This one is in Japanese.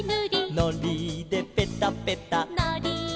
「のりでペタペタ」